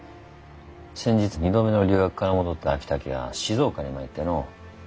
先日２度目の留学から戻った昭武が静岡に参ってのう。